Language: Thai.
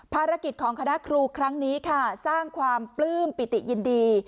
ภารกิจของคณะครูครั้งนี้ค่ะสร้างความปลื้มปิติยินดี